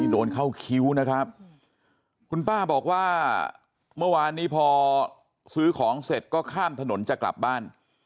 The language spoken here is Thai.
โดนเข้าคิ้วนะครับคุณป้าบอกว่าเมื่อวานนี้พอซื้อของเสร็จก็ข้ามถนนจะกลับบ้าน